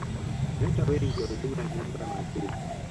Nyota wengi walijiunga na miamba ya Madrid